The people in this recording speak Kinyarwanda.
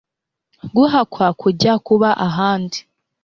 guhakwa kujya kuba ahandi